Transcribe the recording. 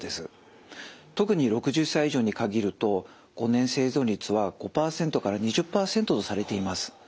特に６０歳以上に限ると５年生存率は５２０％とされています。